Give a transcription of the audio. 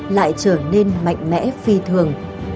lại trở nên mạnh mẽ phi thường